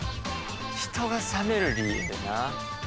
人が冷める理由な。